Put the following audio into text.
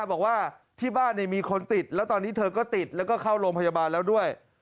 บอกว่าที่บ้านมีคนติดแล้วตอนนี้เธอก็ติดแล้วก็เข้าโรงพยาบาลแล้วด้วย